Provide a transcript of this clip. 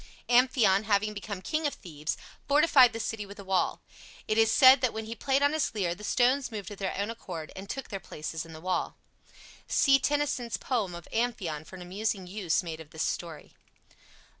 Amphion, having become king of Thebes, fortified the city with a wall. It is said that when he played on his lyre the stones moved of their own accord and took their places in the wall. See Tennyson's poem of "Amphion" for an amusing use made of this story.